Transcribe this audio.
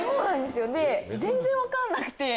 で全然分かんなくて。